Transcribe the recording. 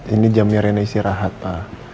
ini jamnya rena istirahat pak